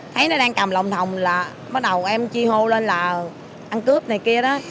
thấy nó đang cầm lồng thồng là bắt đầu em truy hô lên là ăn cướp này kia đó